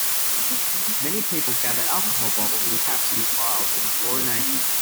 Many people gather alcohol bottles and caps in piles in a poorer nation.